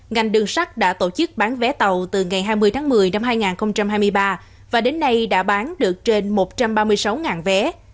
ngành đường sắt đã tổ chức bán vé tàu từ ngày hai mươi tháng một mươi năm hai nghìn hai mươi ba và đến nay đã bán được trên một trăm ba mươi sáu vé